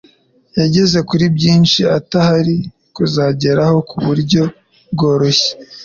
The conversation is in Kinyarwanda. Yageze kuri byinshi atari kuzageraho ku buryo bworoshye.